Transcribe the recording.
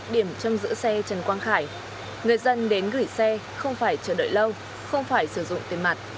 điểm trong giữ xe trần quang khải người dân đến gửi xe không phải chờ đợi lâu không phải sử dụng tiền mặt